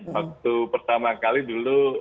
waktu pertama kali dulu